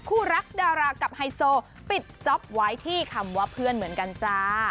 คู่รักดารากับไฮโซปิดจ๊อปไว้ที่คำว่าเพื่อนเหมือนกันจ้า